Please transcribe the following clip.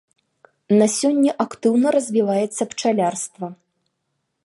На сёння актыўна развіваецца пчалярства.